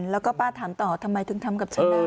แล้วก็ป้าถามต่อทำไมถึงทำกับฉันได้